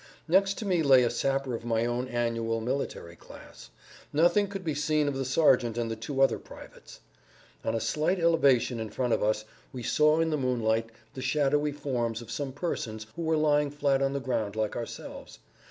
Next to me lay a sapper of my own annual military class; nothing could be seen of the sergeant and the two other privates. On a slight elevation in front of us we saw in the moonlight the shadowy forms of some persons who were lying flat on the ground like ourselves.